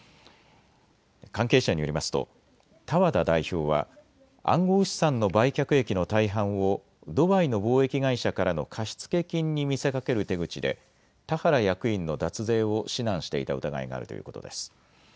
関係者によりますと多和田代表は暗号資産の売却益の大半をドバイの貿易会社からの貸付金に見せかける手口で田原役員の脱税を指南していた疑いがあるということです。